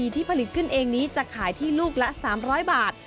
ที่ผลิตขึ้นเองนี้จะขายที่ลูกละ๓๐๐บาท